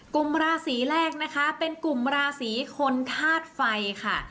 กลุ่มราศีแรกนะคะเป็นกลุ่มราศีคนธาตุไฟค่ะ